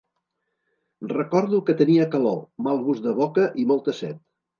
Recordo que tenia calor, mal gust de boca i molta set.